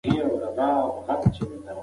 ورزش مو ورځ جوړوي.